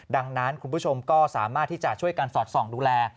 ดังนั้นคุณผู้ชมก็สามารถที่จะช่วยกันสอดส่องดูแล